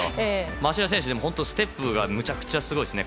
マシレワ選手、ステップがめちゃくちゃすごいですね。